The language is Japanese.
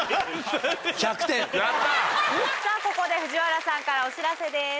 ここで藤原さんからお知らせです。